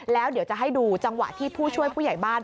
แล้วเดี๋ยวจะให้ดูจังหวะที่ผู้ช่วยผู้ใหญ่บ้าน